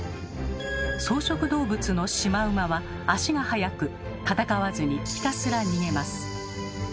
草食動物のシマウマは足が速く戦わずにひたすら逃げます。